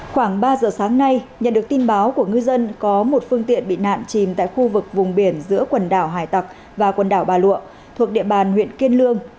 khoảng ba giờ sáng nay nhận được tin báo của ngư dân có một phương tiện bị nạn chìm tại khu vực vùng biển giữa quần đảo hải tạc và quần đảo bà lụa thuộc địa bàn huyện kiên lương